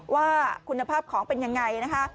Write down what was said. ว่าคุณภาพของเป็นอย่างไร